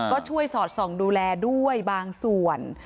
ก็ช่วยสอดส่องดูแลด้วยบางส่วน